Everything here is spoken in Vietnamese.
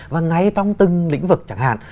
và ngay trong từng lĩnh vực chẳng hạn